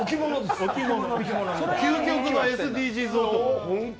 究極のＳＤＧｓ男。